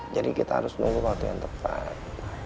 jadi kita harus menunggu waktu yang tepat